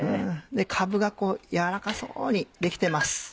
かぶがこう軟らかそうに出来てます。